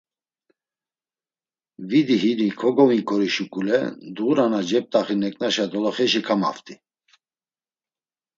Vidi hini kogovinǩori şuǩule, ndğura na cep̌t̆axi neǩnaşa doloxeşi kamaft̆i.